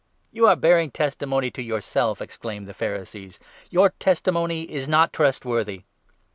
"You are bearing testimony to yourself !" exclaimed the 13 Pharisees, "your testimony is not trustworthy."